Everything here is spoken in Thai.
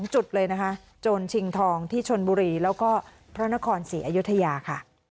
จุดเลยนะคะโจรชิงทองที่ชนบุรีแล้วก็พระนครศรีอยุธยาค่ะ